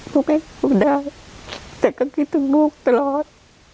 ลูกก็อยู่ได้แต่ก็คิดถึงลูกตลอด